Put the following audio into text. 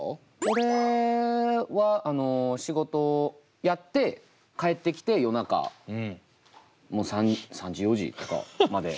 これはあの仕事をやって帰ってきて夜中もう３時４時とかまで。